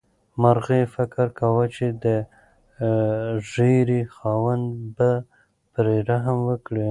مرغۍ فکر کاوه چې د ږیرې خاوند به پرې رحم وکړي.